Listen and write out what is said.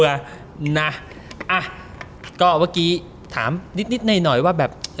เมื่อกี้ถามนิดว่า